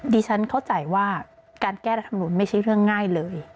ฉันเข้าใจว่าการแก้รัฐมนุนไม่ใช่เรื่องง่ายเลย